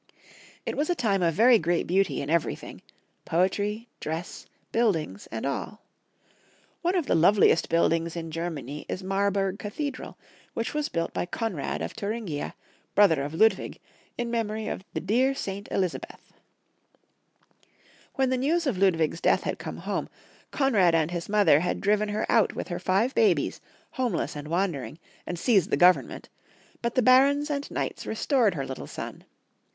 It was a time of very great beauty in everything — poetry, dress, buildings, and all. One of the loveliest buildings in Germany is Marburg Cathe dral, which was built by Konrad of Thuringia, brother of Ludwig, in memory of the " dear saint Elizabeth." When the news of Ludwig's death had 172 Young Folks* History of Germany. come home, Konrad and his mother had driven her out with her five babies, homeless and wandering, and seized the goverment, but the barons and knights restored her little son.